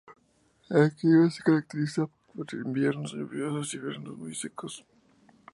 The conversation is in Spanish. Este clima se caracteriza por inviernos lluviosos y veranos muy secos.